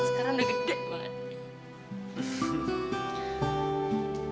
sekarang udah gede banget